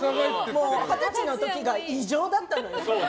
二十歳の時が異常だったんだよね。